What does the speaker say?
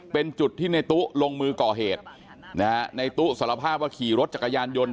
เป็นจุดที่ในตู้ลงมือก่อเหตุนะฮะในตู้สารภาพว่าขี่รถจักรยานยนต์